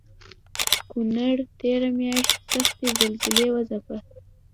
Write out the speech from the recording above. کونړ تېره مياشت سختې زلزلې وځپه